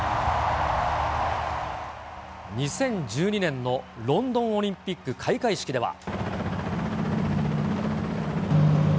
２０１２年のロンドンオリンピック開会式では。